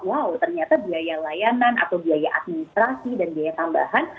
wow ternyata biaya layanan atau biaya administrasi dan biaya tambahan